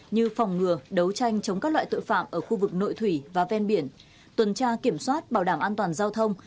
như phòng ngừa đấu tranh chống các loại tội phạm ở khu vực nội thủy và ven biển tuần tra kiểm soát bảo đảm an toàn giao thông